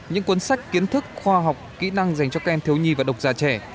những cuốn sách kiến thức khoa học kỹ năng dành cho khen thiếu nhi và độc gia trẻ